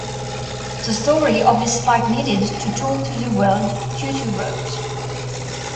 The story of this fight needed to told to the world, Tutu wrote.